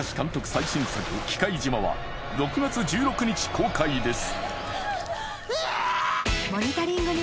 最新作「忌怪島」は６月１６日公開です